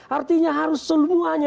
artinya harus semuanya